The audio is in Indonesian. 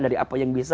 dari apa yang bisa